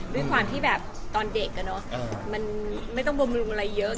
ด้วยความที่แบบตอนเด็กมันไม่ต้องบำรุงอะไรเยอะ